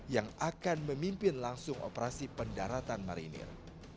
yang akan memimpin langsung operasi pendaratan marinir